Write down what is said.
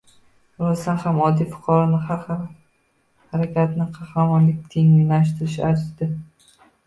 Rostan ham oddiy fuqaroning bu harakatini qahramonlikka tenglashtirsa arziydi.